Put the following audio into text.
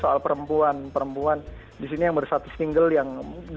yang dari zaman kemarin ya itu tadi soal perempuan disini yang bersatu single yang dari zaman kemarin gitu